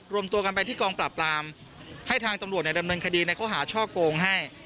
รวมตัวกันไปที่กองปราบรามให้ทางตำรวจดำเนินคดีในข้อหาช่อโกงให้